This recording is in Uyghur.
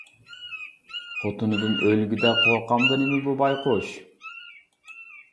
خوتۇنىدىن ئۆلگۈدەك قورقامدۇ نېمە بۇ بايقۇش!